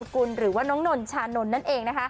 น้ำนลกูลหรือว่าน้องนนท์ชานนท์นั้นเอง